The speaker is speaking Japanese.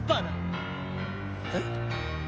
えっ？